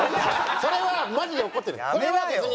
それはマジで怒ってるんです。